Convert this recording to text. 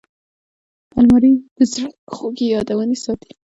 الماري د زړه خوږې یادونې ساتي